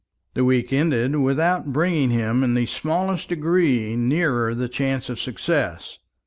The week ended without bringing him in the smallest degree nearer the chance of success.